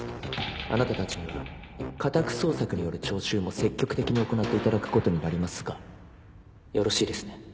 あなたたちには家宅捜索による徴収も積極的に行っていただくことになりますがよろしいですね？